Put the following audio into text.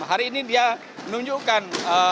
hari ini dia menunjukkan